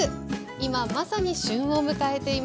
今まさに旬を迎えています。